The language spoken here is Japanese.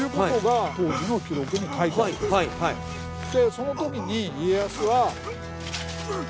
そのときに家康は。